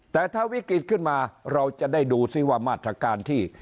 แต่ถ้าวิกฤตขึ้นมาเราจะได้ดูซิว่ามาตรการที่